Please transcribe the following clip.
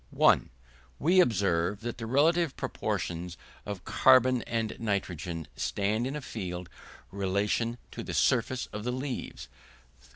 1. We observe that the relative proportions of carbon and nitrogen, stand in a fixed relation to the surface of the leaves.